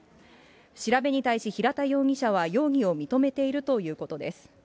調べに対し平田容疑者は容疑を認めているということです。